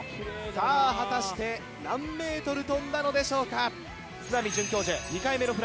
さぁ果たして何ｍ飛んだのでしょうか？